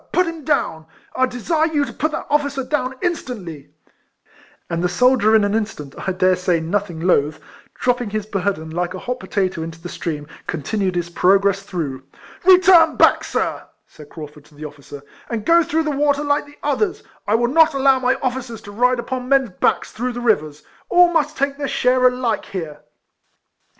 put him down ! I desire you to put that officer down in stantly !" And the soldier in an instant, I dare say nothing loth, dropping his burden, like a hot potatoe, into the stream, continued his progress through. " Return back, sir," said Craufurd to the officer, "and go through the water like the others. I will not allow my officers to ride upon the men's backs through the rivers : all must take their share alike here."